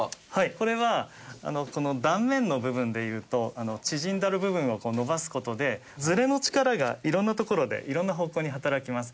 これはこの断面の部分でいうと縮んでる部分をこう伸ばす事でズレの力が色んな所で色んな方向に働きます。